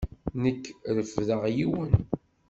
Nekk refdeɣ yiwen.